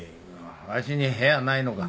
わしに部屋はないのか？